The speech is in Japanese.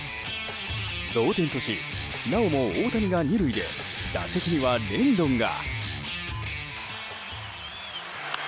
同点とし、なおも大谷が２塁で打席にはレンドンが。